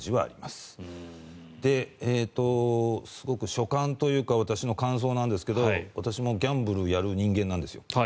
すごく所感というか私の感想なんですけど私もギャンブルやる人間なんですよ。